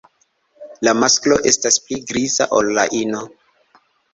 La masklo estas pli griza ol la ino.